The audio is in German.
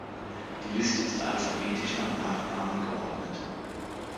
Die Liste ist alphabetisch nach Nachnamen geordnet.